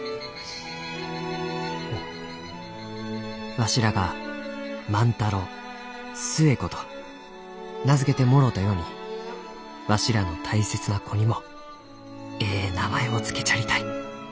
「わしらが『万太郎』『寿恵子』と名付けてもろうたようにわしらの大切な子にもえい名前を付けちゃりたい。